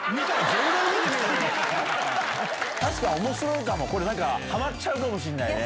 確かに面白いかもハマっちゃうかもしれないね。